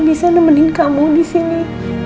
bisa nemenin kamu disini